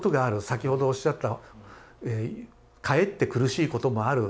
先ほどおっしゃったかえって苦しいこともある。